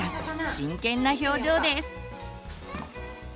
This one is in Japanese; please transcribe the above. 真剣な表情です。